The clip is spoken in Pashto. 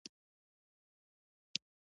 هیڅ ډول زغم څخه کار وانه خیست.